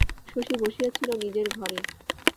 শশী বসিয়া ছিল নিজের ঘরে।